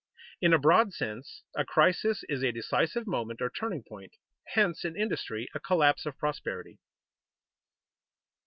_In a broad sense, a crisis is a decisive moment or turning point; hence, in industry, a collapse of prosperity.